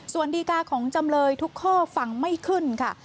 ส่วนดีกาของจำเลยทุกข้อฟังไม่ขึ้นค่ะ